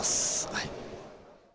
はい。